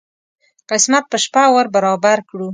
قسمت په شپه ور برابر کړو.